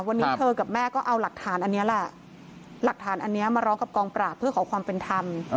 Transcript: วันนี้เธอกับแม่ก็เอาหลักฐานอันนี้มาร้องกับกองปรากเพื่อขอความเป็นธรรม